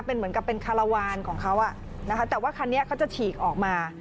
เป็นเหมือนกับเป็นคาราวานของเขาอ่ะนะคะแต่ว่าคันนี้เขาจะฉีกออกมา